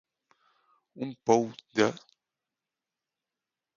Un pou de.